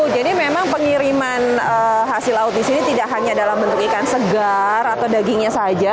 jadi memang pengiriman hasil laut di sini tidak hanya dalam bentuk ikan segar atau dagingnya saja